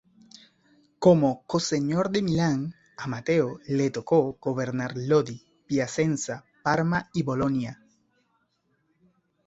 Como co-señor de Milán, a Mateo le tocó gobernar Lodi, Piacenza, Parma y Bolonia.